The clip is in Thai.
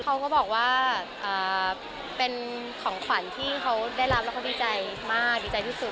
เขาก็บอกว่าเป็นของขวัญที่เขาได้รับแล้วเขาดีใจมากดีใจที่สุด